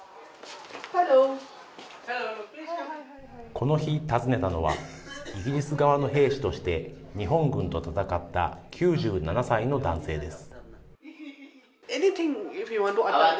この日、訪ねたのは、イギリス側の兵士として日本軍と戦った９７歳の男性です。